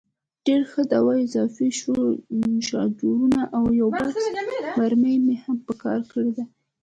ډېر ښه، دوه اضافي شاجورونه او یو بکس مرمۍ مې هم په کار دي.